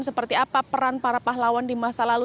seperti apa peran para pahlawan di masa lalu